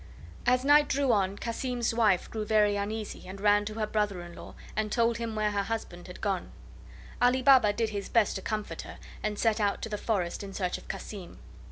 As night drew on Cassim's wife grew very uneasy, and ran to her brother in law, and told him where her husband had gone. Ali Baba did his best to comfort her, and set out to the forest in search of Cassim.